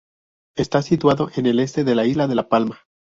Está situado en el este de la isla de La Palma.